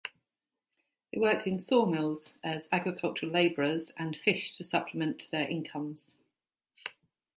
They worked in sawmills, as agricultural laborers, and fished to supplement their incomes.